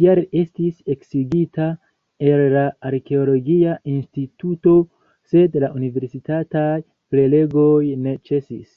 Tial li estis eksigita el la arkeologia instituto, sed la universitataj prelegoj ne ĉesis.